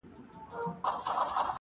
نه له خدای او نه رسوله یې بېرېږې,